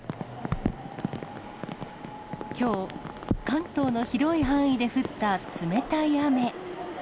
きょう、関東の広い範囲で降った冷たい雨。